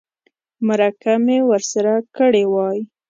مرکه مې ورسره کړې وای.